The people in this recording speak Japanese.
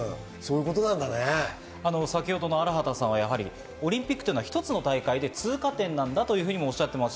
先ほどの荒畑さんはオリンピックは一つの大会で通過点だとおっしゃっています。